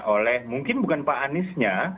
oleh mungkin bukan pak aniesnya